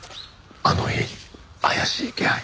あの家に怪しい気配。